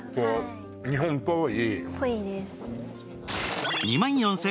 日本っぽい。